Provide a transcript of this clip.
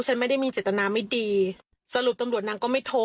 ฉันไม่ได้มีเจตนาไม่ดีสรุปตำรวจนางก็ไม่โทร